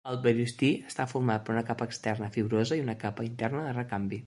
El periosti està format per una capa externa fibrosa i una capa interna de recanvi.